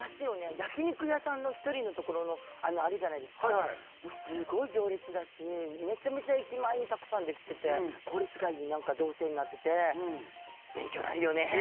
焼き肉屋さんの１人のところのあるじゃないですかもうすごい行列だしめちゃめちゃ駅前にたくさんできてて効率がいい動線になってて勉強になるよね